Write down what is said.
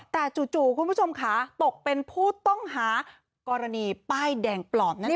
แต่จู่คุณผู้ชมค่ะตกเป็นผู้ต้องหากรณีป้ายแดงปลอบนั่นเอง